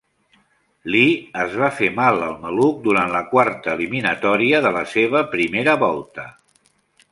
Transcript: Lee es va fer mal al maluc durant la quarta eliminatòria de la seva primera volta.